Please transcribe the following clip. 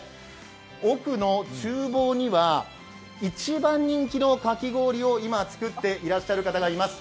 奥のちゅう房には一番人気のかき氷を今、作っている方がいます。